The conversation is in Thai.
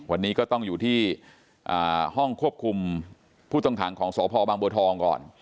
วันนี้ก็ต้องอยู่ที่ห้องควบคุมผู้ต้องขังของสพบางบัวทองก่อน